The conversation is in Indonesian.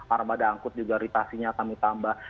armada angkut juga ritasinya kami tambah